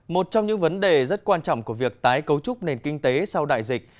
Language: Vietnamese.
một trong những vấn đề rất quan trọng của việc tái cấu trúc nền kinh tế sau đại dịch